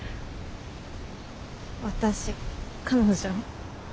私彼女？